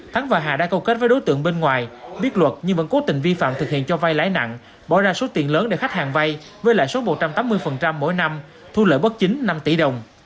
thắng và hà đã câu kết với đối tượng bên ngoài biết luật nhưng vẫn cố tình vi phạm thực hiện cho vay lãi nặng bỏ ra số tiền lớn để khách hàng vay với lại số một trăm tám mươi mỗi năm thu lợi bất chính năm tỷ đồng